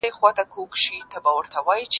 خوشحال بابا د نوم او نښې په اړه شعرونه ویلي دي.